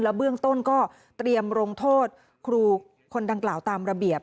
เบื้องต้นก็เตรียมลงโทษครูคนดังกล่าวตามระเบียบ